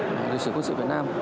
lịch sử quân sự việt nam